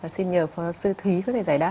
xin nhờ phó sư thúy có thể giải đáp